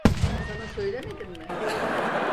Sana söylemedim mi?